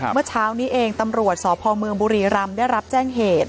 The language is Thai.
เมื่อเช้านี้เองตำรวจสพเมืองบุรีรำได้รับแจ้งเหตุ